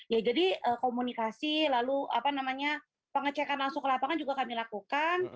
ya jadi komunikasi lalu apa namanya pengecekan langsung ke lapangan juga kami lakukan